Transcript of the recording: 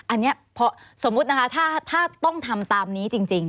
อันนี้พอสมมุตินะคะถ้าต้องทำตามนี้จริง